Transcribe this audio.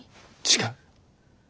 違う。